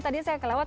tadi saya kelewat